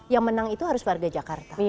yang menang itu harus warga jakarta